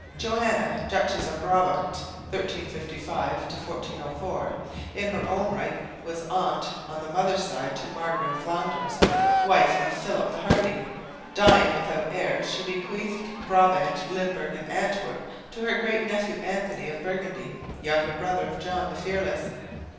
Joanna, Duchess of Brabant (1355 1404) in her own right, was aunt on the mother's side to Margaret of Flanders, wife of Philip the Hardy. Dying without heirs, she bequeathed Brabant, Limburg and Antwerp to her great nephew, Anthony of Burgundy, younger brother of John the Fearless.